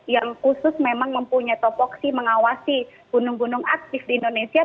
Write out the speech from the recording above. yang khusus memang mempunyai topoksi mengawasi gunung gunung aktif di indonesia